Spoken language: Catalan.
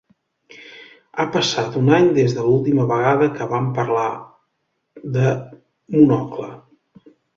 Ha passat un any des de l'última vegada que vam parlar de Monocle.